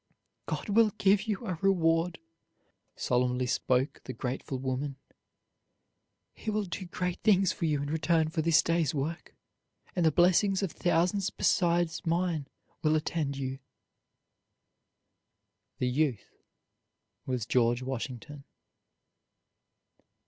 "God will give you a reward," solemnly spoke the grateful woman. "He will do great things for you in return for this day's work, and the blessings of thousands besides mine will attend you." The youth was George Washington.